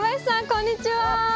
こんにちは。